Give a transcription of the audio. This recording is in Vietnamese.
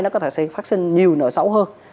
nó có thể sẽ phát sinh nhiều nợ xấu hơn